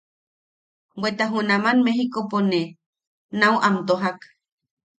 Bweta junaman Mejikopo ne nau am tojak.